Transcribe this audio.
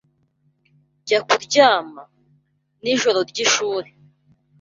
Jya kuryama. Nijoro ryishuri.